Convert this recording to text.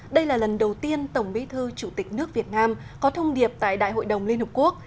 đây là lần đầu tiên tổng bí thư chủ tịch nước việt nam có thông điệp tại đại hội đồng liên hợp quốc